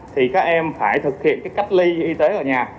thì các em phải thực hiện cái cách ly y tế ở nhà